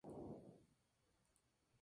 La reja es barroca y es de Antonio de Elorza.